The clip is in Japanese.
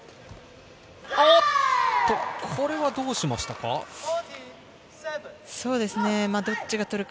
これは、どうしましたか？